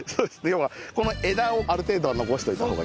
要はこの枝をある程度は残しておいた方が。